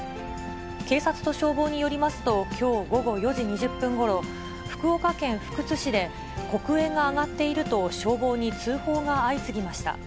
警察と消防によりますと、きょう午後４時２０分ごろ、福岡県福津市で黒煙が上がっていると、消防に通報が相次ぎました。